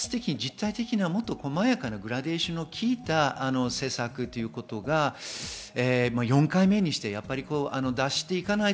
実体的な細やかなグラデーションの効いた政策ということが４回目にして出していかないと。